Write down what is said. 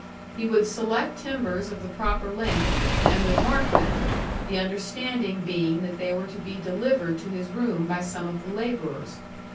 He would select timbers of the proper length, and would mark them the understanding being that they were to be delivered to his room by some of the labourers.